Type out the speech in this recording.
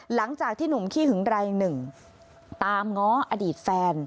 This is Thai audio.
หลังจากที่หนุ่มขี้หึงรายหนึ่งตามง้ออดีตแฟน